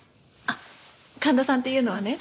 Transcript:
あっ神田さんっていうのはね。